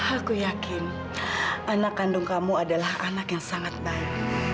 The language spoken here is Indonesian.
aku yakin anak kandung kamu adalah anak yang sangat baik